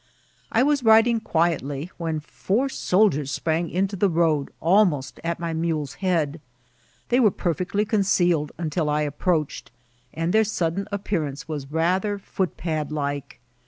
I was riding quietly, when four soldiers sprang into the road almost at my mule's head. They were perfectly concealed until I ajqproached, and their sudden cqppear ance was rather footpad like.